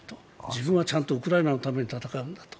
自分はちゃんとウクライナのために戦うんだと。